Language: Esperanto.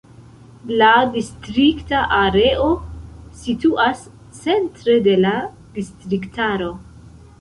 La distrikta areo situas centre de la distriktaro.